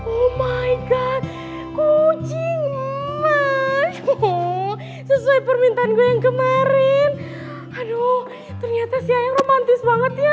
oh my god kucing sesuai permintaan gue yang kemarin aduh ternyata siang romantis banget ya